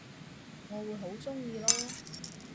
我會好鍾意囉